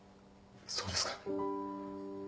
そうですか。